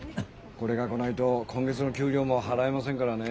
これが来ないと今月の給料も払えませんからね。